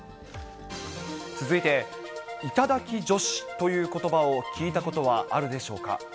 続いて、頂き女子ということばを聞いたことはあるでしょうか。